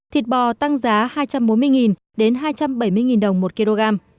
thịt bò tăng giá hai trăm bốn mươi đồng đến hai trăm bảy mươi đồng một kg